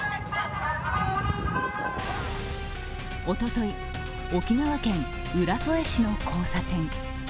おととい、沖縄県浦添市の交差点。